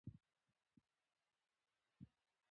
ویلهلم رونټګن د ایکس وړانګې وموندلې.